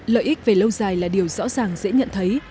lợi ích về lâu dài là điều rõ ràng dễ nhận thấy